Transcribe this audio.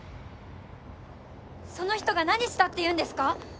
・その人が何したっていうんですか？